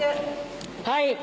はい！